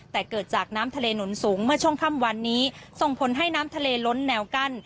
แต่เกิดจากน้ำทะเลหนุนสูงเมื่อช่วงค่ำวันนี้ส่งผลให้น้ำทะเลล้นแนวกั้น